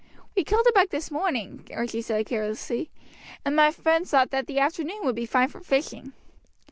"We killed a buck this morning," Archie said carelessly, "and my friends thought that the afternoon would be fine for fishing."